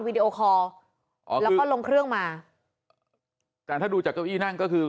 ดีโอคอร์อ๋อแล้วก็ลงเครื่องมาแต่ถ้าดูจากเก้าอี้นั่งก็คือ